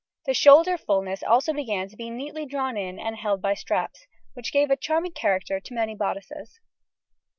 The shoulder fullness also began to be neatly drawn in and held by straps, which gave a charming character to many bodices.